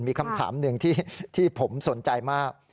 มีคำถามหนึ่งที่ผมสนใจมาก